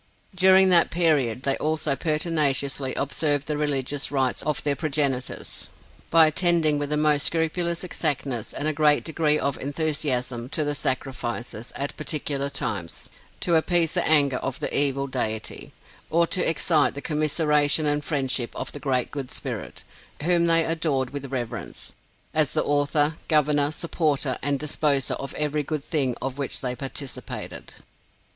During that period they also pertinaciously observed the religious rites of their progenitors, by attending with the most scrupulous exactness and a great degree of enthusiasm to the sacrifices, at particular times, to appease the anger of the evil deity, or to excite the commisseration and friendship of the Great Good Spirit, whom they adored with reverence, as the author, governor, supporter and disposer of every good thing of which they participated.